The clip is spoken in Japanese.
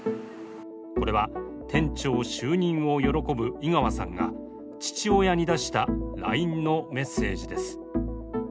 これは店長就任を喜ぶ井川さんが父親に出したＬＩＮＥのメッセージです。